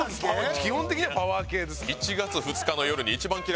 基本的にはパワー系ですから。